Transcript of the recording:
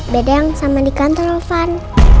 bedeng sama di kantor oven